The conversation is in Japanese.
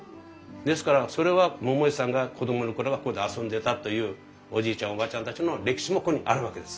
ですからそれは桃井さんが子供の頃はここで遊んでたというおじいちゃんおばあちゃんたちの歴史もここにあるわけです。